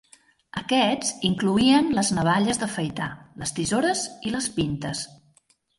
Aquests incloïen les navalles d'afaitar, les tisores i les pintes.